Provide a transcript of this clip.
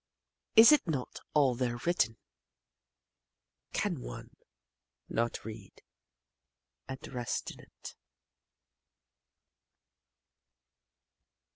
Is it not all there written? Can one not read and rest in it?